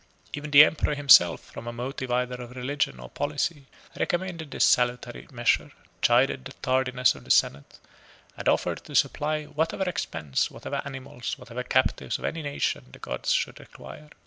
Even the emperor himself, from a motive either of religion or of policy, recommended this salutary measure, chided the tardiness of the senate, 38 and offered to supply whatever expense, whatever animals, whatever captives of any nation, the gods should require.